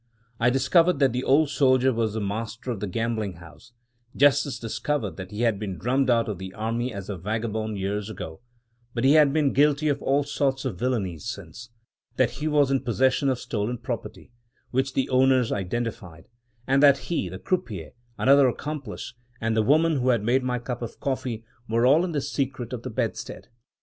I discovered that the Old Soldier was the master of the gambling house — justice discovered that he had been drummed out of the army as a vagabond years ago; that he had been guilty of all sorts of villainies since; that he was in possession of stolen property, which the owners identified; and that he, the croupier, another accomplice, and the woman who had made my cup of coffee, were all in the secret of the bedstead.